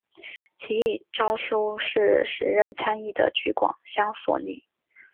此一诏书是时任参议的橘广相所拟。